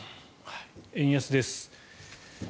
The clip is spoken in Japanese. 円安です。